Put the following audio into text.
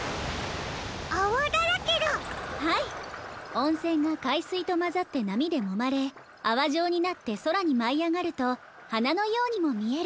おんせんがかいすいとまざってなみでもまれあわじょうになってそらにまいあがるとはなのようにもみえる。